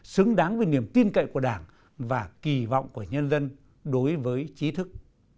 xứng đáng với niềm tin cậy của đảng và kỳ vọng của nhân dân đối với trí thức